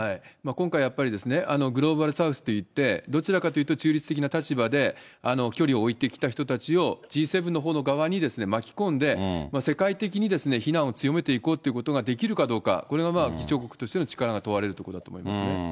今回やっぱり、グローバルサウスといって、どちらかというと中立的な立場で距離を置いてきた人たちをＧ７のほうの側に巻き込んで、世界的に非難を強めていこうってことができるかどうか、これは議長国としての力が問われるところだと思いますね。